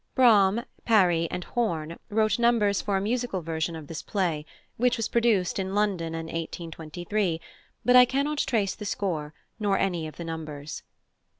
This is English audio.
+Braham, Parry,+ and +Horn+ wrote numbers for a musical version of this play, which was produced in London in 1823, but I cannot trace the score nor any of the numbers.